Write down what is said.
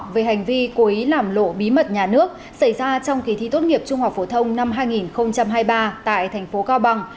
về hành vi cố ý làm lộ bí mật nhà nước xảy ra trong kỳ thi tốt nghiệp trung học phổ thông năm hai nghìn hai mươi ba tại thành phố cao bằng